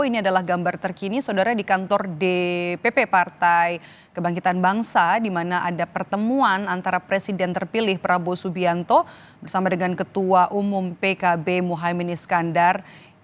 ini adalah gambar terkini saudara di kantor dpp partai kebangkitan bangsa di mana ada pertemuan antara presiden terpilih prabowo subianto bersama dengan ketua umum pkb mohaimin iskandar